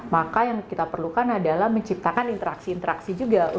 maka yang kita perlukan adalah menciptakan interaksi interaksi juga